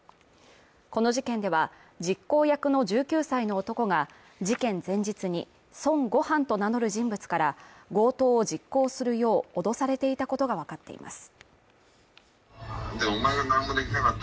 この事件では、実行役の１９歳の男が事件前日に、孫悟飯と名乗る人物から強盗を実行するよう脅されていたことがわかっています。